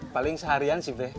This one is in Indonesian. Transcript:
paling seharian sih be